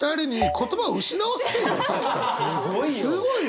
すごいよ！